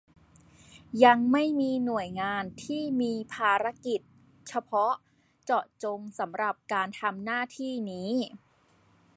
ยังไม่มีหน่วยงานที่มีภารกิจเฉพาะเจาะจงสำหรับการทำหน้าที่นี้